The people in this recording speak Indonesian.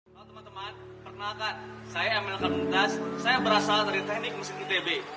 halo teman teman perkenalkan saya emil karnitas saya berasal dari teknik mesin itb